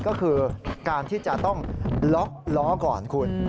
ก็คือการที่จะต้องล็อกล้อก่อนคุณ